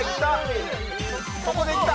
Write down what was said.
ここでいった！